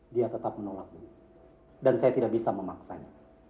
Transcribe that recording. dia tetap menolak dan saya tidak bisa memaksanya